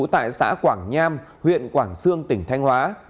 tại xã quảng nham huyện quảng sương tỉnh thanh hóa